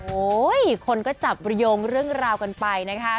โอ้โหคนก็จับโยงเรื่องราวกันไปนะคะ